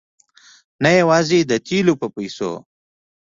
نه یوازې د تېلو په پیسو.